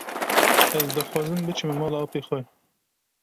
Ez dixwazim biçime mala apê xwe.